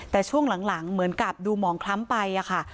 แต่ช่วงหลังเหมือนกับดูหมองคล้ำไปค่ะ